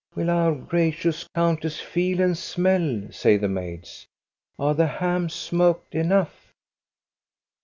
" Will our gracious Countess feel and smell ?" say the maids. " Arc the hams smoked enough?